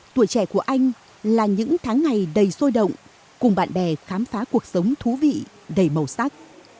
tuổi trẻ của anh là những tháng ngày đầy sôi động cùng bạn bè khám phá cuộc sống thú vị đầy màu sắc